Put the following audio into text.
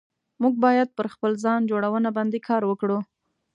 موږ بايد پر خپل ځان جوړونه باندي کار وکړو